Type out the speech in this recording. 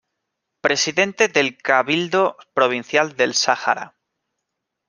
Presidente del Cabildo Provincial del Sahara.